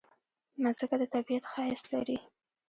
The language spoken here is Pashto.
مځکه د طبیعت ښایست لري.